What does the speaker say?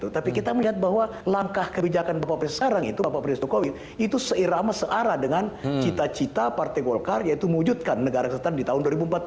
tapi kita melihat bahwa langkah kebijakan bapak presiden sekarang itu bapak presiden jokowi itu seirama searah dengan cita cita partai golkar yaitu mewujudkan negara kesejahtera di tahun dua ribu empat puluh lima